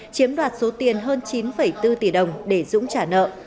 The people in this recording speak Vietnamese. chiếm đoạt số tiền hơn chín bốn tỷ đồng để dũng trả nợ